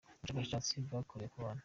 Ubushakashatsi bwakorewe ku bana